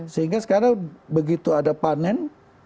sehingga sekarang begitu ada panen